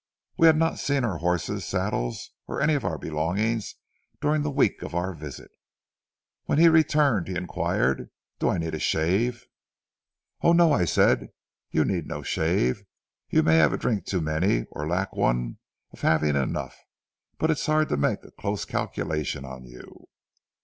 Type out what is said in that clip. We had not seen our horses, saddles, or any of our belongings during the week of our visit. When he returned he inquired, 'Do I need a shave?' "'Oh, no,' I said, 'you need no shave. You may have a drink too many, or lack one of having enough. It's hard to make a close calculation on you.'